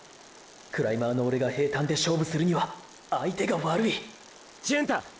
クライマーのオレが平坦で勝負するには相手が悪い純太！